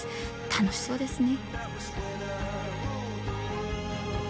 楽しそうですね。